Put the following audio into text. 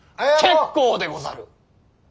結構でござる。